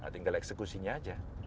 tinggal eksekusinya aja